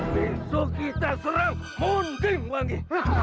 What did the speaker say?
binsu kita serang muntingwangi